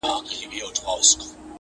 د مالدارو په کورونو په قصرو کي.!